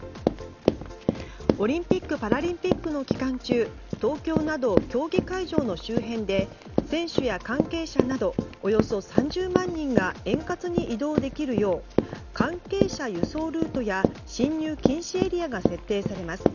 オリンピック・パラリンピックの期間中東京など競技会場の周辺で選手や関係者などおよそ３０万人が円滑に移動できるよう関係者輸送ルートや進入禁止エリアが設定されます。